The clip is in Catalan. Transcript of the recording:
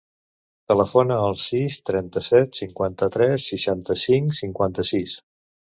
Telefona al sis, trenta-set, cinquanta-tres, seixanta-cinc, cinquanta-sis.